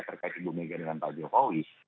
terkait ibu mega dengan pak jokowi